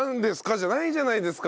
じゃないじゃないですか。